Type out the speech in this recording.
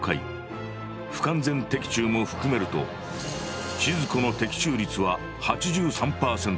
不完全的中も含めると千鶴子の的中率は８３％。